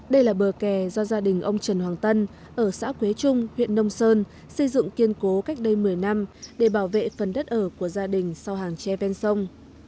đây là bờ kè do gia đình ông trần hoàng tân ở xã quế trung huyện nông sơn xây dựng kiên cố cách đây một mươi năm để bảo vệ phần đất ở của gia đình sau hàng tre ven sông